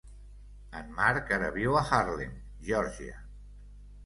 En Marc ara viu a Harlem, Georgia.